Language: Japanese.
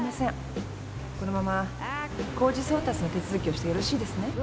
このまま公示送達の手続きをしてよろしいですね？